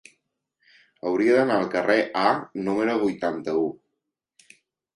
Hauria d'anar al carrer A número vuitanta-u.